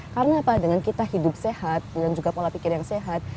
karena apa dengan kita hidup sehat dengan juga pola pikir yang sehat